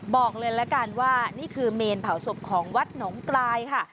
บอกเลยละกันว่านี่คือเมนเผาศพของวัดหนองกลายค่ะ